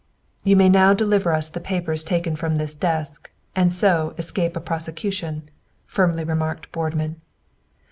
"You may now deliver us the papers taken from this desk, and so, escape a prosecution," firmly remarked Boardman.